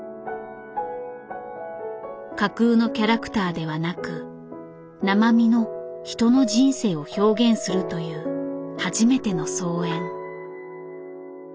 架空のキャラクターではなく生身の人の人生を表現するという初めての操演。